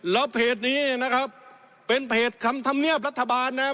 แล้วเพจนี้นะครับเป็นเพจคำธรรมเนียบรัฐบาลนะครับ